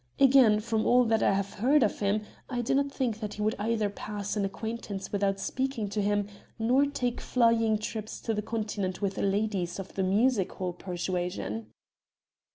Again, from all that I have heard of him, I do not think that he would either pass an acquaintance without speaking to him, nor take flying trips to the Continent with ladies of the music hall persuasion."